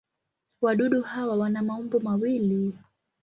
Wadudu hawa wana maumbo mawili.